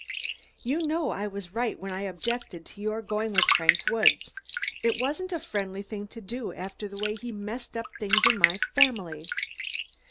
"You know I was right when I objected to your going with Frank Woods. It wasn't a friendly thing to do, after the way he messed up things in my family."